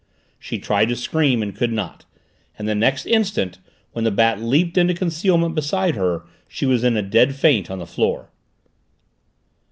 She tried to scream and could not, and the next instant, when the Bat leaped into concealment beside her, she was in a dead faint on the floor.